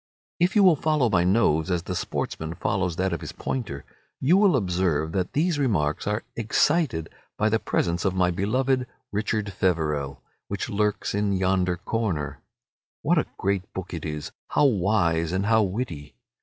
If you will follow my nose as the sportsman follows that of his pointer, you will observe that these remarks are excited by the presence of my beloved "Richard Feverel," which lurks in yonder corner. What a great book it is, how wise and how witty!